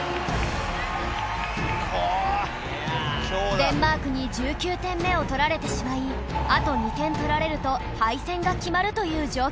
デンマークに１９点目を取られてしまいあと２点取られると敗戦が決まるという状況に